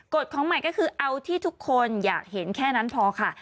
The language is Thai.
ของใหม่ก็คือเอาที่ทุกคนอยากเห็นแค่นั้นพอค่ะ